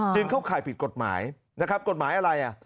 จึงเขาขายผิดกฎหมายกฎหมายอะไร